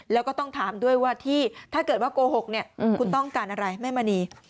แล้วก็ต้องถามด้วยว่าที่ถ้าเกิดว่าโกหกเนี่ยคุณต้องการอะไรแม่มณี